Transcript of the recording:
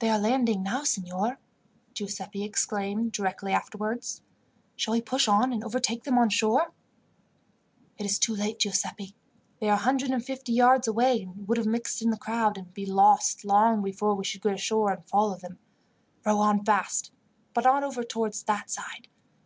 "They are landing now, signor," Giuseppi exclaimed directly afterwards. "Shall we push on and overtake them on shore?" "It is too late, Giuseppi. They are a hundred and fifty yards away, and would have mixed in the crowd, and be lost, long before we should get ashore and follow them. Row on fast, but not over towards that side.